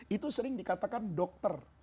itu sering dikatakan dokter